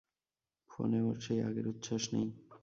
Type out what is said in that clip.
ফোনে ওর সেই আগের উচ্ছ্বাস নেই।